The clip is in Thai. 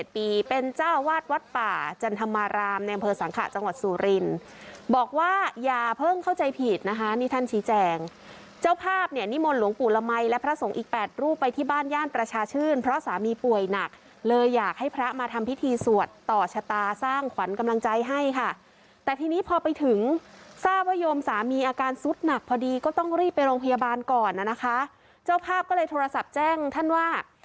๑๗ปีเป็นเจ้าวาดวัดป่าจันทรมารามในอำเภอสังขะจังหวัดสูรินบอกว่าอย่าเพิ่งเข้าใจผิดนะคะนี่ท่านชีแจงเจ้าภาพเนี่ยนี่มนตร์หลวงปู่ละมัยและพระสงฆ์อีก๘รูปไปที่บ้านย่านประชาชื่นเพราะสามีป่วยหนักเลยอยากให้พระมาทำพิธีสวดต่อชะตาสร้างขวัญกำลังใจให้ค่ะแต่ทีนี้พอไปถึงทราบว่